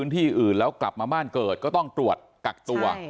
ถ้าบ้านเกิดก็ต้องตรวจกักตัว